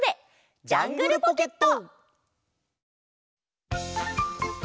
「ジャングルポケット」！